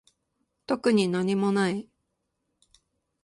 特になにもない